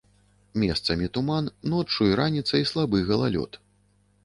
Месцамі туман, ноччу і раніцай слабы галалёд.